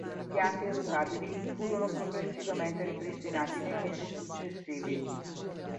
Impianti e rotabili furono progressivamente ripristinati nei mesi successivi.